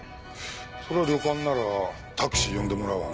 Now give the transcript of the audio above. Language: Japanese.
そりゃ旅館ならタクシー呼んでもらうわな。